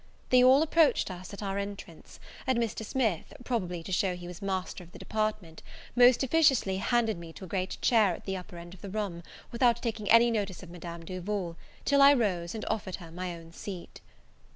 They all approached us at our entrance; and Mr. Smith, probably to show he was master of the department, most officiously handed me to a great chair at the upper end of the room, without taking any notice of Madame Duval, till I rose and offered her my own seat.